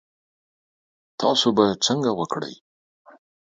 تاسو به څنګه وکړی؟